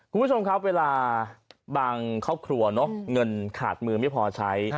คุณผู้ชมครับเวลาบางครอบครัวเงินขาดมือไม่พอใช้